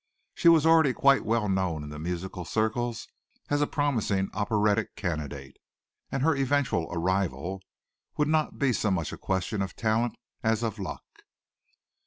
She was already quite well known in musical circles as a promising operatic candidate and her eventual arrival would be not so much a question of talent as of luck.